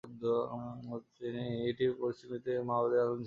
এটি পশ্চিমবঙ্গ ভিত্তিক একটি মাওবাদী আন্দোলন ছিল, যা এখনও চলছে।